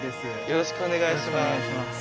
よろしくお願いします。